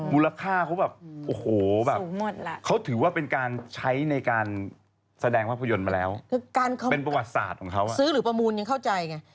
มูลค่าเขาแบบโอ้โหแบบเขาถือว่าเป็นการใช้ในการแสดงภาพยนตร์มาแล้วเป็นประวัติศาสตร์ของเขาซื้อหรือประมูลยังเข้าใจไง